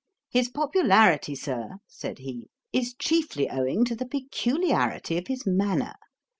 'His popularity, Sir (said he,) is chiefly owing to the peculiarity of his manner.